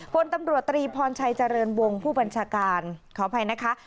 พลตำรวจตรีพรชัยเจริญวงผู้บัญชาการขออภัยนะคะ